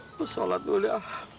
aku sholat dulu ya